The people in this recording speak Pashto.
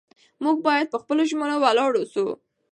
موږ باید په خپلو ژمنو ولاړ واوسو